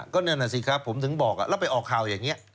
ก็นั่นน่ะสิครับผมถึงบอกแล้วไปออกข่าวอย่างนี้